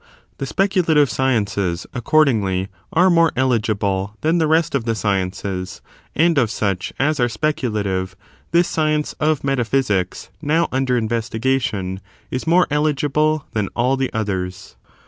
The speculative sciences, ac cordingly, are more eligible than the rest of the sciences ; and of such as are speculative, this science of metaphysics, now under investigation, is more eligible than all the otjiers.